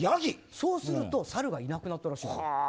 そうするとサルがいなくなったらしい。